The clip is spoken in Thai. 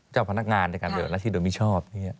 เจ้าพนักงานในการใบ้หนักทีด่อมิชอบ